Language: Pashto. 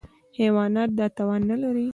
حیوانات دا توان نهلري.